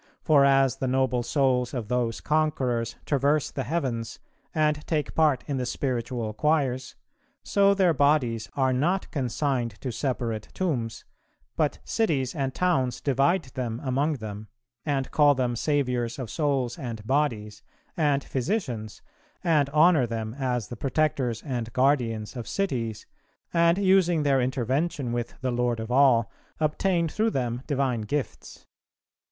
For as the noble souls of those conquerors traverse the heavens, and take part in the spiritual choirs, so their bodies are not consigned to separate tombs, but cities and towns divide them among them; and call them saviours of souls and bodies, and physicians, and honour them as the protectors and guardians of cities, and, using their intervention with the Lord of all, obtain through them divine gifts.